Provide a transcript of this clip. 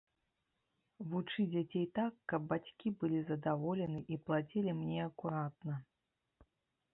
Вучы дзяцей так, каб бацькі былі задаволены і плацілі мне акуратна.